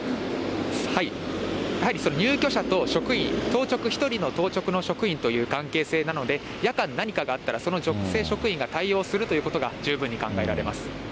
やはり入居者と職員、１人の当直という関係性なので、夜間、何かがあったら、その女性職員が対応するということが十分に考えられます。